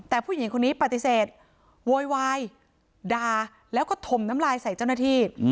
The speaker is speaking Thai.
แต่ผู้หญิงคนนี้ปฏิเสธโวยวายด่าแล้วก็ถมน้ำลายใส่เจ้าหน้าที่